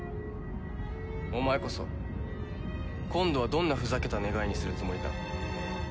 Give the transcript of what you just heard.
お前こそ今度はどんなふざけた願いにするつもりだ？